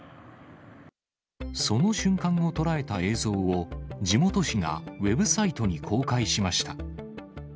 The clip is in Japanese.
その瞬間を捉えた映像を、地元紙がウェブサイトに公開しました。